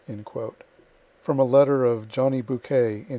_From a letter of "Johnny Bouquet," in N.